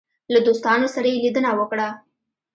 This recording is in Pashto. له دوستانو سره یې لیدنه وکړه.